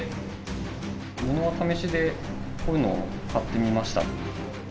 ものは試しでこういうのを買ってみました。